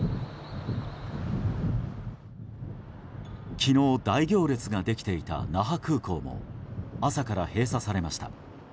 昨日、大行列ができていた那覇空港も朝から閉鎖されました。